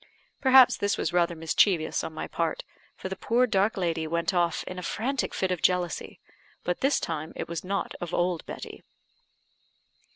Perhaps this was rather mischievous on my part, for the poor dark lady went off in a frantic fit of jealousy, but this time it was not of old Betty.